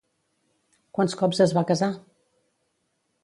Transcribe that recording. Quants cops es va casar?